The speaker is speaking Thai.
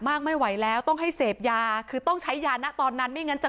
มากไม่ไหวแล้วต้องให้เสพยาคือต้องใช้ยานะตอนนั้นไม่งั้นจะ